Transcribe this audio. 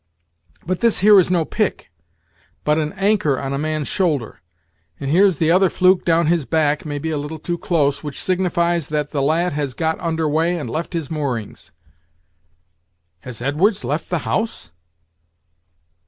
But this here is no pick, but an anchor on a man's shoulder; and here's the other fluke down his back, maybe a little too close, which signifies that the lad has got under way and left his moorings." "Has Edwards left the house?"